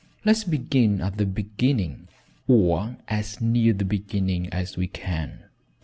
Let's begin at the beginning, or, as near the beginning as we can.